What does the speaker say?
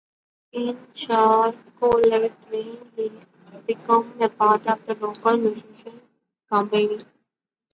In Charlottesville, he became part of the local music community.